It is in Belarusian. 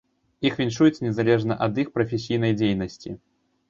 Іх віншуюць незалежна ад іх прафесійнай дзейнасці.